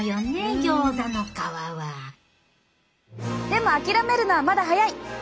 でも諦めるのはまだ早い！